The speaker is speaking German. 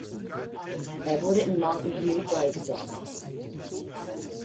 Er wurde in Mountain View beigesetzt.